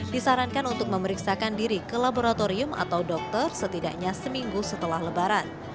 disarankan untuk memeriksakan diri ke laboratorium atau dokter setidaknya seminggu setelah lebaran